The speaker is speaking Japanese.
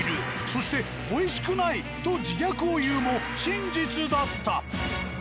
そして「おいしくないと自虐を言う真実だった。